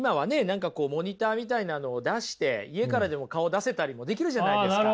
何かこうモニターみたいなのを出して家からでも顔を出せたりもできるじゃないですか。